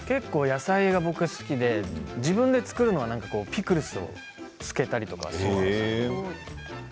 野菜が好きで自分が作るのはピクルスを漬けたりとかするんですね。